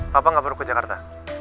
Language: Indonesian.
papa gak perlu ke jakarta